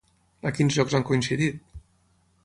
A quins llocs han coincidit?